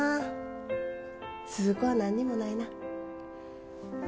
鈴子は何にもないな。